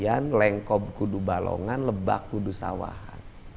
kemudian lengkop kudu balongan lebak kudu sawahan